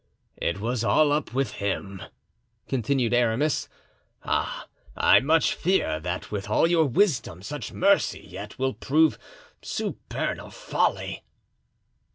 "It was all up with him," continued Aramis; "ah I much fear that with all your wisdom such mercy yet will prove supernal folly."